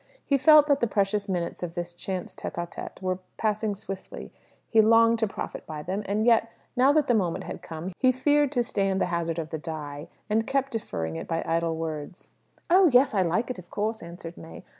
He felt that the precious minutes of this chance tête à tête were passing swiftly; he longed to profit by them; and yet, now that the moment had come, he feared to stand the hazard of the die, and kept deferring it by idle words. "Oh yes! I like it, of course," answered May.